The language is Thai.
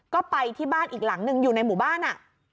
ก็ไปที่บ้านอีกหลังหนึ่งอยู่ในหมู่บ้านอ่ะ